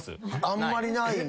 あんまりないね。